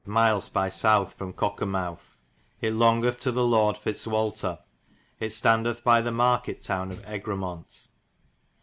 myles by sowth from Cokermuth. Yt fo. 72. longith to the Lord Fizgualter. Yt stondeth by the market towne of Egremont.